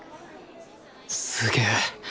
すげえ。